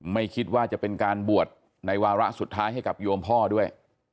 ไม่คิดว่าจะเป็นการบวชในวาระสุดท้ายให้กับโยมพ่อด้วย